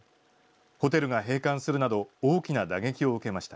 ホテルが閉館するなど、大きな打撃を受けました。